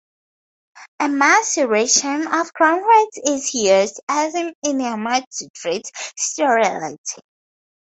A maceration of ground roots is used as an enema to treat sterility.